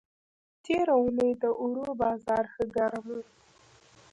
تېره اوونۍ د اوړو بازار ښه گرم و.